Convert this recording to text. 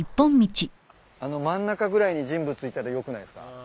あの真ん中ぐらいに人物いたら良くないっすか？